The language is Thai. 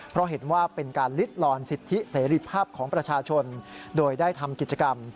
เพราะเห็นว่าเป็นการลิดลอนสิทธิเสรีภาพของประชาชนโดยได้ทำกิจกรรม